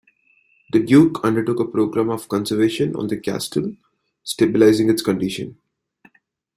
The Duke undertook a programme of conservation on the castle, stabilising its condition.